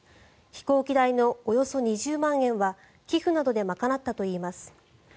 飛行機代のおよそ２０万円は寄付などで賄ったといいます。